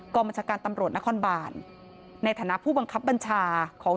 บัญชาการตำรวจนครบานในฐานะผู้บังคับบัญชาของ